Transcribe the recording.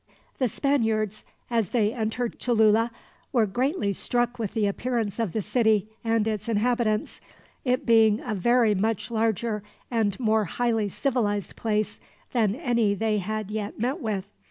The Spaniards, as they entered Cholula, were greatly struck with the appearance of the city and its inhabitants, it being a very much larger and more highly civilized place than any they had yet met with.